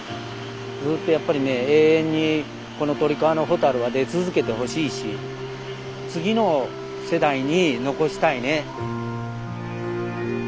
ずっとやっぱりね永遠にこの鳥川のホタルは出続けてほしいし次の世代に残したいね。